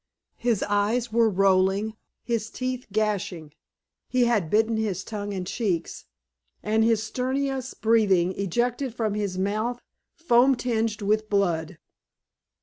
His eyes were rolling, his teeth gnashing; he had bitten his tongue and cheeks, and his stertorous breathing ejected from his mouth foam tinged with blood.